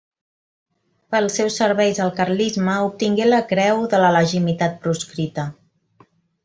Pels seus serveis al carlisme, obtingué la Creu de la Legitimitat Proscrita.